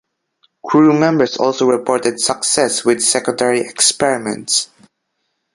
Crew members also reported success with secondary experiments.